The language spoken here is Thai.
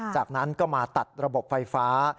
จากนั้นก็มาตัดระบบไฟฟ้า